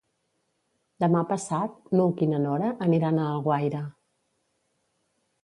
Demà passat n'Hug i na Nora aniran a Alguaire.